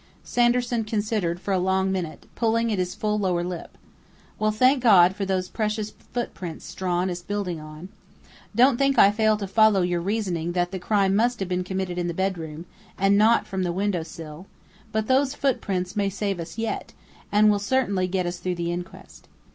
Sanderson considered for a long minute, pulling at his full lower lip. "Well, thank God for those precious footprints Strawn is building on! Don't think I fail to follow your reasoning that the crime must have been committed in the bedroom, and not from the window sill, but those footprints may save us yet, and will certainly get us through the inquest.